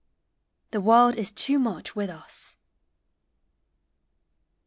THE WORLD IS TOO MUCH WITH US.